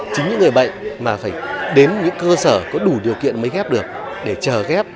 chính những người bệnh mà phải đến những cơ sở có đủ điều kiện mới ghép được để chờ ghép